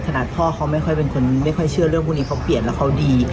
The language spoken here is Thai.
พ่อเขาไม่ค่อยเป็นคนไม่ค่อยเชื่อเรื่องพวกนี้เขาเปลี่ยนแล้วเขาดี